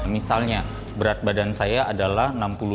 misalnya berat badan saya adalah enam puluh lima